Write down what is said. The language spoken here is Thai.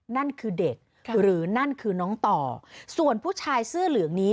นั่นคือเด็กหรือนั่นคือน้องต่อส่วนผู้ชายเสื้อเหลืองนี้